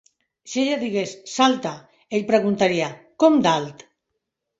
Si ella digués "Salta", ell preguntaria "Com d'alt?"